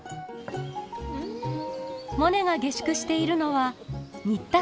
モネが下宿しているのは新田サヤカの家。